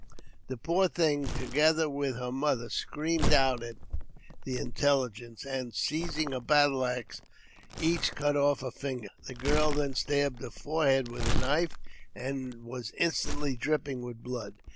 " The poor thing, together wath her mother, screamed out at the intelligence, and, seizing a battle axe, each cut off a finger. The girl then stabbed her forehead with a knife, and was instantly dripping with blood.